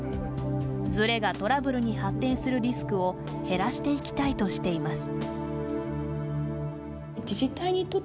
ズレがトラブルに発展するリスクを減らしていきたいとしています。